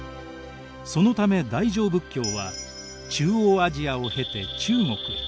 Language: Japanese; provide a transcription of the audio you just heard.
そのため大乗仏教は中央アジアを経て中国へ。